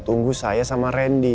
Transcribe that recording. tunggu saya sama randy